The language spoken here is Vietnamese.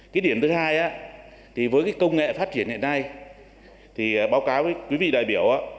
cái điểm thứ hai với công nghệ phát triển hiện nay báo cáo với quý vị đại biểu